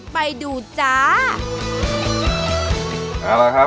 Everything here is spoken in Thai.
ไปดูจ้า